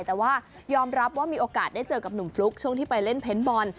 แต่ว่ายอมรับว่ามีโอกาสได้เจอกับหนุ่มฟลุ๊กช่วงที่ไปเล่นเพ้นบอล